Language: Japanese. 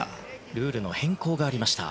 ルールの変更がありました。